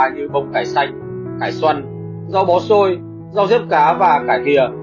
như bông cải xanh cải xoăn rau bó xôi rau riếp cá và cải kìa